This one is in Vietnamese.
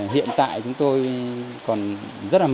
hiện tại chúng tôi còn rất là khó khăn